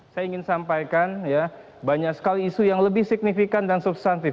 saya ingin sampaikan ya banyak sekali isu yang lebih signifikan dan substantif